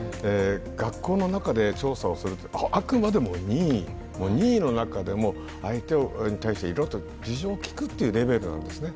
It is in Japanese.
学校の中で調査するというのは、あくまでも任意、任意の中でも相手に対していろいろと事情を聴くというレベルなんですね。